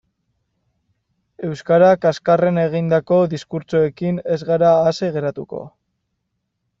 Euskara kaxkarrean egindako diskurtsoekin ez gara ase geratuko.